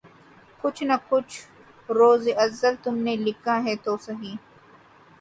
کچھ نہ کچھ روزِ ازل تم نے لکھا ہے تو سہی